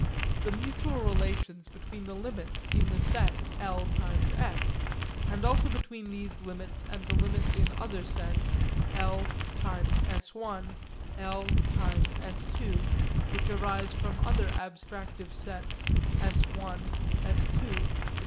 The mutual relations between the limits in the set l(s), and also between these limits and the limits in other sets l(s′), l(s″), ..., which arise from other abstractive sets s′, s″, etc.